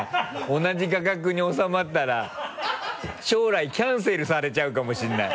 同じ画角に収まったら将来キャンセルされちゃうかもしれない。